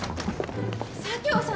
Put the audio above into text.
佐京さん